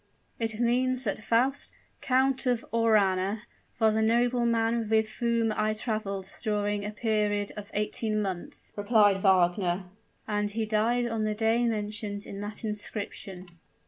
"It means that Faust, Count of Aurana, was a nobleman with whom I traveled during a period of eighteen months," replied Wagner; "and he died on the day mentioned in that inscription."